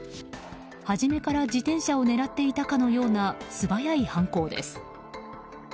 初めから自転車を狙っていたかのような素早い犯行です。